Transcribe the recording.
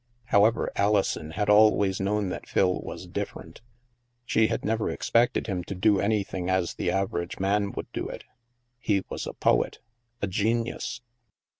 However, Alison had always known that Phil was "different''; she had never expected him to do anything as the average man would do it He was a poet — a genius.